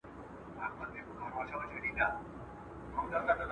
هغه حساب چې وتړل شو بېرته خلاص نه شو.